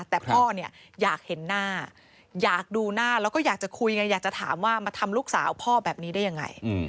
แต่พ่อเนี่ยอยากเห็นหน้าอยากดูหน้าแล้วก็อยากจะคุยไงอยากจะถามว่ามาทำลูกสาวพ่อแบบนี้ได้ยังไง